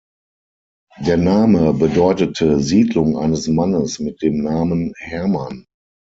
Der Name bedeutete „Siedlung eines Mannes mit dem Namen Herman“.